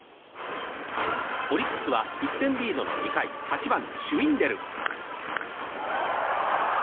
オリックスは１点リードの２回８番、シュウィンデル。